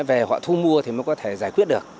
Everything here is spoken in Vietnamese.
về họ thu mua thì mới có thể giải quyết được